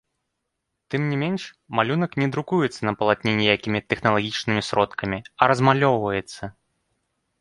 Тым не менш, малюнак не друкуецца на палатне ніякімі тэхналагічнымі сродкамі, а размалёўваецца.